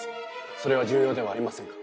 それは重要ではありませんか？